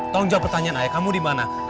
tanggung jawab pertanyaan ayah kamu di mana